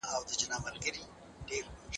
که ملازم وي نو پاکي نه ورکېږي.